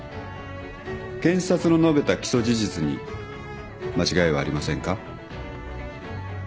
検察の述べた起訴事実に間違いはありませんか。